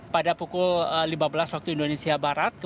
pada pukul lima belas waktu indonesia barat